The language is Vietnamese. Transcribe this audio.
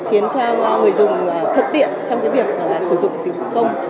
khiến cho người dùng thuận tiện trong việc sử dụng dịch vụ công